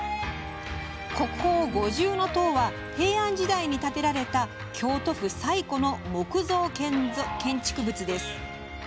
国宝、五重塔は平安時代に建てられた京都府最古の木造建築物です。